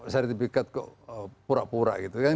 sertifikat kok pura pura gitu kan